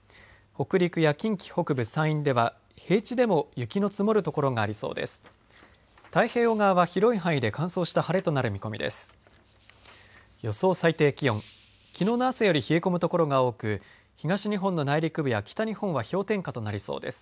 北陸や近畿北部、山陰では平地でも雪の積もる所がありそうです。